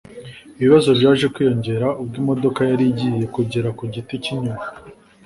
Ibibazo byaje kwiyongera ubwo imodoka yari igiye kugera ku Giti cy’inyoni